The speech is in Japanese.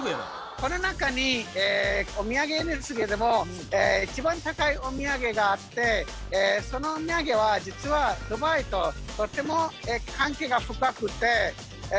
この中にええお土産ですけども一番高いお土産があってそのお土産は実はドバイととっても関係が深くてええ